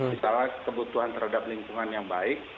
misalnya kebutuhan terhadap lingkungan yang baik